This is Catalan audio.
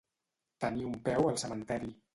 Tenir un peu al cementeri.